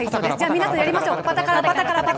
皆さんやりましょう。